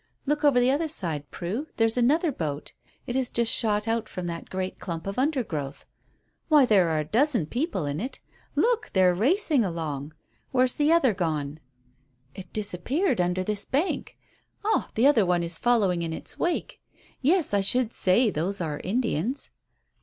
"Look over the other side, Prue; there's another boat. It has just shot out from that great clump of undergrowth. Why, there are a dozen people in it. Look! they are racing along. Where's the other gone?" "It disappeared under this bank. Ah, the other one is following in its wake. Yes, I should say those are Indians."